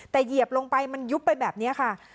แต่เหยียบลงไปมันยุบไปแบบนี้ค่ะ